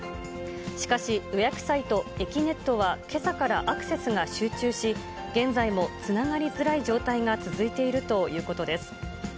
しかし、予約サイト、えきねっとはけさからアクセスが集中し、現在もつながりづらい状態が続いているということです。